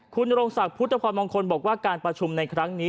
คุณนโรงศักดิ์พุทธพรมงคลบอกว่าการประชุมในครั้งนี้